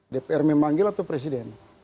dpr memanggil atau presiden